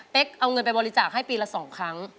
เป็นเอาเงินไปบริจาคให้ปีละ๒ครั้ง